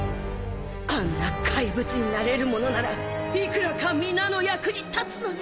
あんな怪物になれるものならいくらか皆の役に立つのに